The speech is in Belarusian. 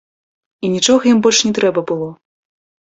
І нічога ім больш не трэба было!